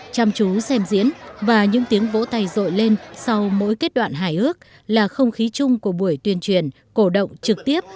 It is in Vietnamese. chăm chú xem diễn và những tiếng vỗ tay rội lên sau mỗi kết đoạn hài hước là không khí chung của buổi tuyên truyền cổ động trực tiếp